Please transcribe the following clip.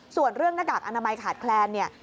ส่วนเรื่องหน้ากากอนามัยขาดแคลนเนี่ย